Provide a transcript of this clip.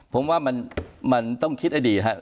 ผมว่ามันต้องคิดให้ดีครับ